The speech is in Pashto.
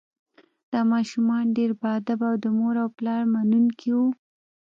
دا ماشومان ډیر باادبه او د مور او پلار منونکي وو